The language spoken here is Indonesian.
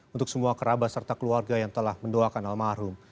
untuk semua kerabat serta keluarga yang telah mendoakan almarhum